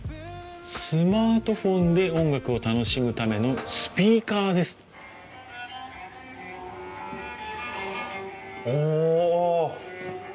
「スマートフォンで音楽を楽しむためのスピーカーです」。お！